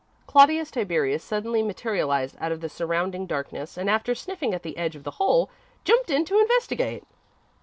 Claudius Tiberius suddenly materialised out of the surrounding darkness, and after sniffing at the edge of the hole, jumped in to investigate.